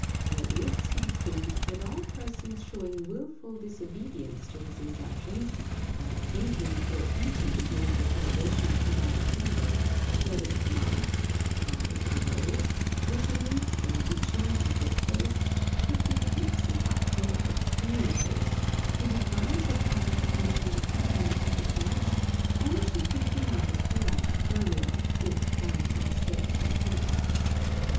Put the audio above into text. By this he decreed that all persons showing wilful dis obedience to his injunctions, by drinking or eating during the celebration of divine service, whether of Mass (high or low), litanies, benediction, or vespers, should be ipso facto excommunicate, be deprived of participation in the sacraments of the Church, and should be denied the rite of burial, if dying in a state of impenitence.